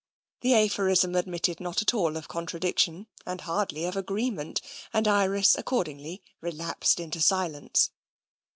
The aphorism admitted not at all of contradiction, and hardly of agreement, and Iris accordingly relapsed into silence.